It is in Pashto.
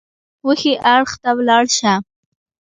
وښي اړخ ته ولاړ شه !